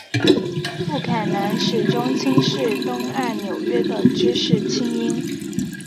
布坎南始终轻视东岸纽约的知识菁英。